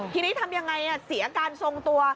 ทีนี้ทำยังไงเสียอาการทรงตัว